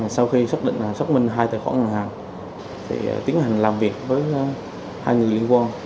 sau khi xác định và xác minh hai tờ kho ngân hàng thì tiến hành làm việc với hai người liên quan